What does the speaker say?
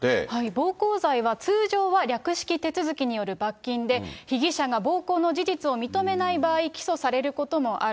暴行罪は、通常は略式手続きによる罰金で、被疑者が暴行の事実を認めない場合、起訴されることもある。